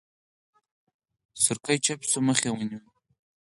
سورکی چپه شو مخ يې ونيو.